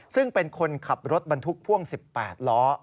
ซึ่งเป็นคนขับรถบรรทุกพ่วง๑๘ล้อ